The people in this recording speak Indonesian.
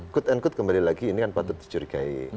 quote unquote kembali lagi ini kan patut dicurigai